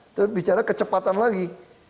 itu bicara kecepatan lagi